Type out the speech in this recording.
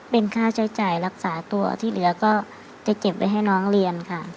เป็นค่าใช้จ่ายรักษาตัวที่เหลือก็จะเก็บไว้ให้น้องเรียนค่ะ